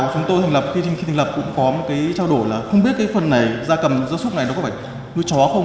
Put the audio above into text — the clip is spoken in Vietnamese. chúng tôi hình lập khi thành lập cũng có một cái trao đổi là không biết cái phần này da cầm da súc này nó có phải nuôi chó không